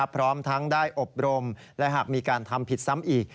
พร้อมทั้งได้อบรมและหากมีการทำผิดซ้ำอีก